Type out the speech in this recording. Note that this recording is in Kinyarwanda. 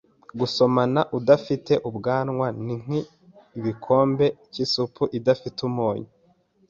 Gusomana udafite ubwanwa ni nkibikombe cyisupu idafite umunyu.